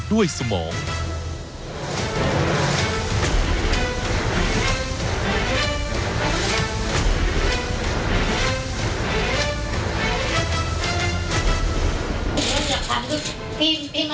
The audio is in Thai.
หลอกยังไง